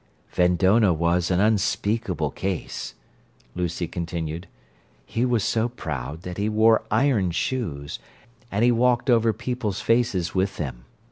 "Vendonah was an unspeakable case," Lucy continued. "He was so proud that he wore iron shoes and he walked over people's faces with them.